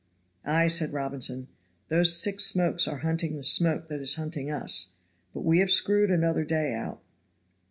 "Ay!" said Robinson, "those six smokes are hunting the smoke that is hunting us! but we have screwed another day out."